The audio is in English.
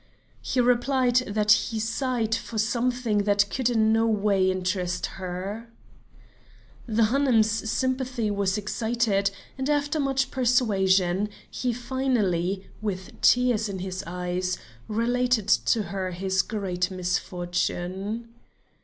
He replied that he sighed for something that could in no way interest her. The Hanoum's sympathy was excited, and after much persuasion, he finally, with tears in his eyes, related to her his great misfortune.